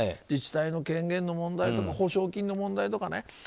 自治体の権限の問題保証金の問題とか。